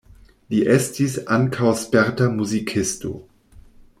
Li estis ankaŭ sperta muzikisto.